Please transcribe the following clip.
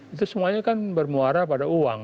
itu semuanya kan bermuara pada uang